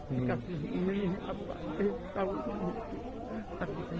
dikasih mie apa itu